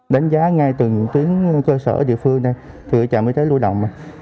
đánh giá ngay từ những tướng cơ sở địa phương từ trạm y tế lưu động